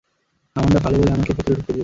Amanda ভালো বলে আমাকে ভেতরে ঢুকতে দিয়েছে।